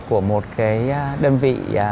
của một cái đơn vị